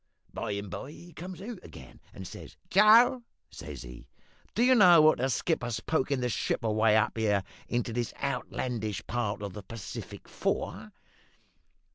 By and by he comes out again, and he says "`Joe,' says he, `do you know what the skipper's pokin' the ship away up here into this outlandish part of the Pacific for?'